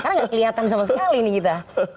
karena gak kelihatan sama sekali nih kita